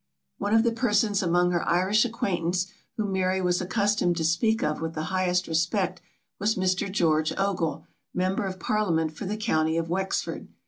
One of the persons among her Irish acquaintance, whom Mary was accustomed to speak of with the highest respect, was Mr. George Ogle, member of parliament for the county of Wexford.